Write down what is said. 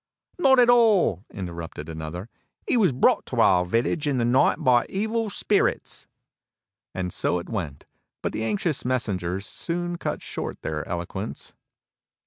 "Not at all!" interrupted another. "He was brought to our vil lage in the night by evil spirits." And so it went, but the anxious messengers soon cut short their eloquence.